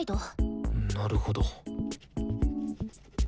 なるほど。